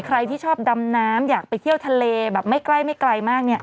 ใครที่ชอบดำน้ำอยากไปเที่ยวทะเลแบบไม่ใกล้ไม่ไกลมากเนี่ย